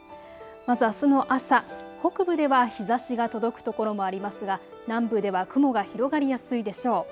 まずあすの朝、北部では日ざしが届く所もありますが南部では雲が広がりやすいでしょう。